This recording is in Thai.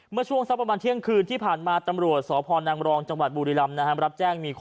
เมื่อช่วงทรัพย์ประมาณเที่ยงคืนที่ผ่านมาตำรวจสอพรนางมรองจังหวัดบูรีลำนะฮะ